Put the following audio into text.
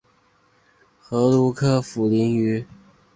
河鲈科为辐鳍鱼纲鲈形目的其中一个科。